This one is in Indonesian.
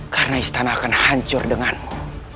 karena istana akan hancur denganmu